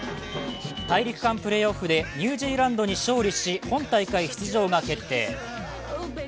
大陸間プレーオフでニュージーランドに勝利し、本大会出場が決定。